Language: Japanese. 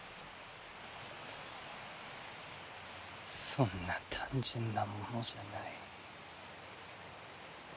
そんな単純なものじゃない。